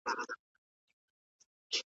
که بنسټ کږه وي دېوال نړېږي.